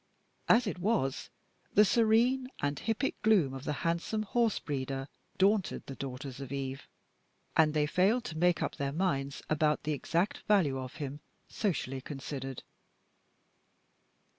As it was, the serene and hippic gloom of the handsome horse breeder daunted the daughters of Eve, and they failed to make up their minds about the exact value of him, socially considered.